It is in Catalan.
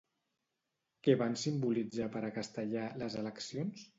Què van simbolitzar per a Castellà les eleccions?